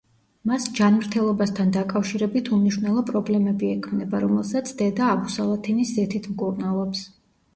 მას ჯანმრთელობასთან დაკავშირებით უმნიშვნელო პრობლემები ექმნება, რომელსაც დედა აბუსალათინის ზეთით მკურნალობს.